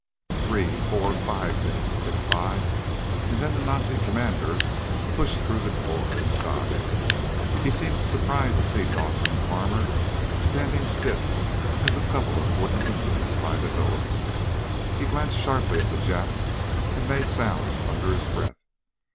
Three, four, five minutes ticked by, and then the Nazi commander pushed through the door inside. He seemed surprised to see Dawson and Farmer standing stiff as a couple of wooden Indians by the door. He glanced sharply at the Jap, and made sounds under his breath.